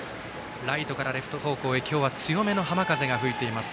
ライトからレフト方向へ強めの浜風が吹いています。